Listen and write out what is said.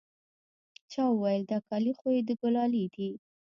چا وويل دا کالي خو يې د ګلالي دي.